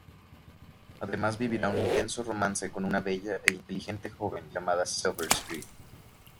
Además vivirá un intenso romance con una bella e inteligente joven llamada Silver St.